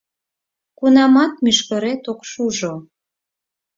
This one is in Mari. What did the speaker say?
Кунамат мӱшкырет ок шужо?